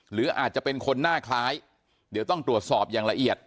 หรืออาจจะเป็นคนหน้าคล้ายเดี๋ยวต้องตรวจสอบอย่างละเอียด